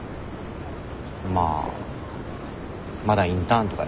まあまだインターンとかやけど。